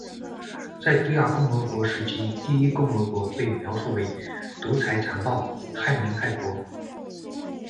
在第二共和国时期，第一共和国被描述为「独裁残暴」、「害民害国」。